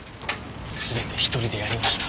全て１人でやりました。